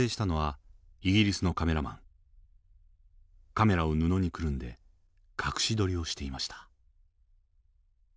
カメラを布にくるんで隠し撮りをしていました。